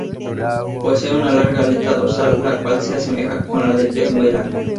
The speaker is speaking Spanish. Posee una larga aleta dorsal la cual se asemeja con la del pez vela.